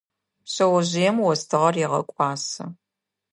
Шъэожъыем остыгъэр егъэкӏуасэ.